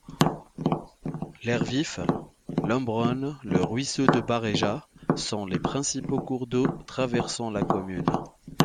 L'Hers-Vif, l'Ambronne, le Ruisseau de Barréjat sont les principaux cours d'eau traversant la commune.